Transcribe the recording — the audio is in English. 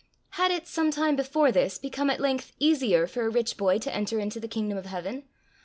Had it, some time before this, become at length easier for a rich boy to enter into the kingdom of heaven?